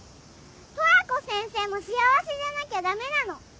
トラコ先生も幸せじゃなきゃダメなの。